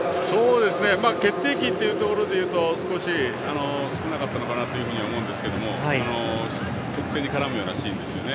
決定機というところでいうと少し少なかったのかなと思うんですけれども得点に絡むようなシーンはですね。